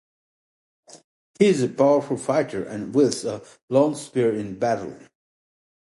He is a powerful fighter and wields a long spear in battle.